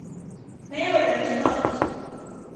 没有人知道自己